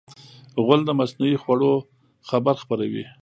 غول د مصنوعي خوړو خبر خپروي.